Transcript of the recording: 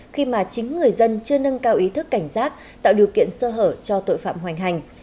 khi mà chính người dân chưa nâng cao ý thức cảnh giác tạo điều kiện sơ hở cho tội phạm hoành hành